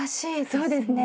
そうですね。